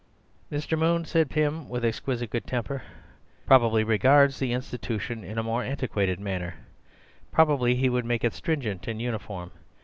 "Mr. Moon," said Pym with exquisite good temper, "probably regards the institution in a more antiquated manner. Probably he would make it stringent and uniform.